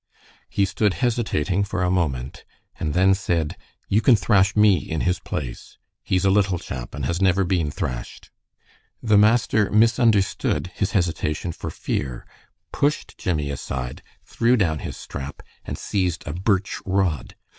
He stood hesitating for a moment, and then said, "You can thrash me in his place. He's a little chap, and has never been thrashed." The master misunderstood his hesitation for fear, pushed Jimmie aside, threw down his strap, and seized a birch rod.